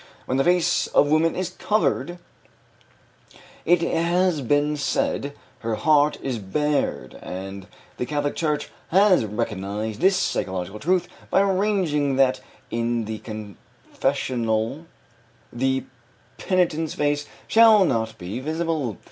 "When the face of woman is covered," it has been said, "her heart is bared," and the Catholic Church has recognized this psychological truth by arranging that in the confessional the penitent's face shall not be visible.